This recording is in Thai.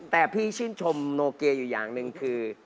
แต่พี่ชื่นชมโนเกียอยู่อย่างหนึ่งคือ